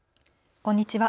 こんにちは。